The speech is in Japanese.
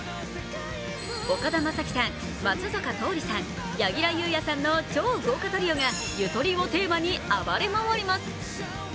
岡田将生さん、松坂桃李さん、柳楽優弥さんの超豪華トリオがゆとりをテーマに暴れ回ります。